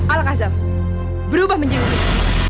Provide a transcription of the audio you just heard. alakazam berubah menjadi kudus